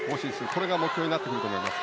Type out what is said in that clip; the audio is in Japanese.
これが目標になってくると思います。